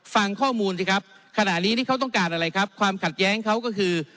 ฟังข้อมูลสิครับขณะนี้นี่เขาต้องการอะไรครับความขัดแย้งเขาก็คือ